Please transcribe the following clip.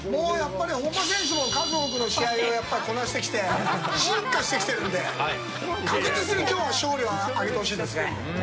本間選手も数多くの試合をこなしてきて進化しているので確実に今日は勝利を挙げてほしいですね。